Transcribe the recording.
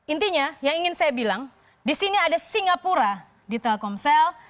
intinya yang ingin saya bilang di sini ada singapura di telkomsel